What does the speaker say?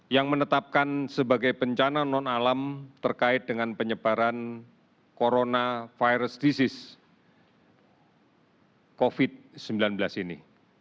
yang menetapkan sebagai bencana non alam terkait dengan penyebaran coronavirus disease covid sembilan belas ini